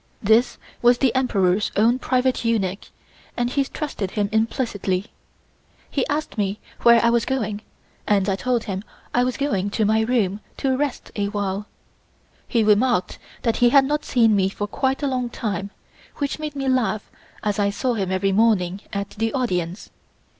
This was the Emperor's own private eunuch and he trusted him implicitly. He asked me where I was going and I told him I was going to my room to rest a while. He remarked that he had not seen me for quite a long time, which made me laugh as I saw him every morning at the audience.